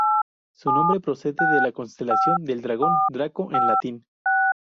Su nombre procede de la constelación del Dragón, Draco en latín.